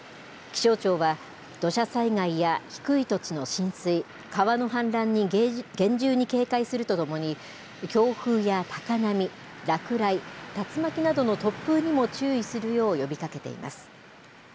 気象庁は、土砂災害や低い土地の浸水、川の氾濫に厳重に警戒するとともに、強風や高波、落雷、竜巻などの突風にも注意するよう呼びかけています。